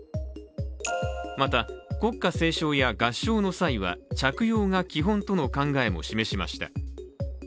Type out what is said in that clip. また、国歌斉唱や合唱の際は着用が基本との考えも示しました。